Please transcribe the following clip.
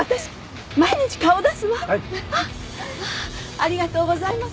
ありがとうございます！